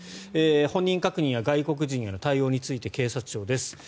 本人確認や外国人への対応について警察庁です。